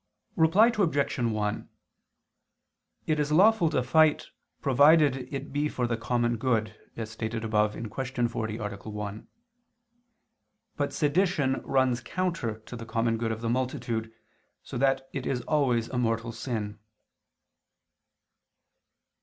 Reply Obj. 1: It is lawful to fight, provided it be for the common good, as stated above (Q. 40, A. 1). But sedition runs counter to the common good of the multitude, so that it is always a mortal sin.